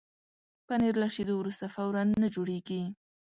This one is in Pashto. پنېر له شیدو وروسته فوراً نه جوړېږي.